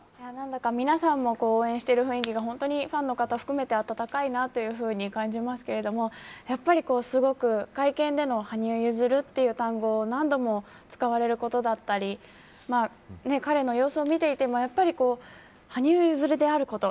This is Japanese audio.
皆さんが応援している雰囲気がファンの皆さま含めて温かいなと感じましたが、やっぱりすごく会見での羽生結弦という単語を何度も使われることだったり彼の様子を見ていてもやっぱり羽生結弦であること。